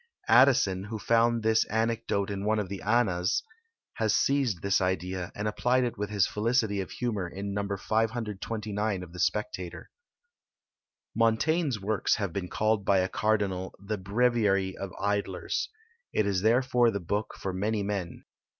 Addison, who found this anecdote in one of the Anas, has seized this idea, and applied it with his felicity of humour in No. 529 of the Spectator. Montaigne's Works have been called by a Cardinal, "The Breviary of Idlers." It is therefore the book for many men.